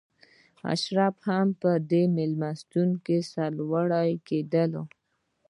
اشراف هم په دې مېلمستیاوو سرلوړي کېدل.